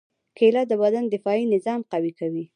کېله د بدن دفاعي نظام قوي کوي.